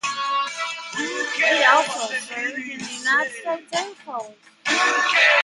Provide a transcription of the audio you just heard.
He also served in the United States Air Force.